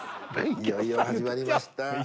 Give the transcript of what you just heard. いよいよ始まりました